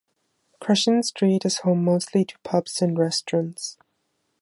Crescent Street is home mostly to pubs and restaurants.